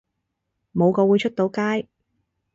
冇個會出到街